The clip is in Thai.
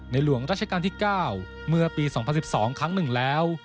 ในหลวงราชกรรมที่๙เมื่อปี๒๐๑๒ครั้งหนึ่งแล้ว